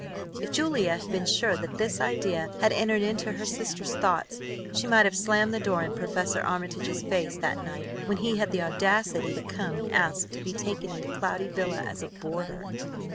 If Julia had been sure that this idea had entered into her sister's thoughts, she might have slammed the door in Professor Armitage's face that night when he had the audacity to come and ask to be taken into Cloudy Villa as a boarder.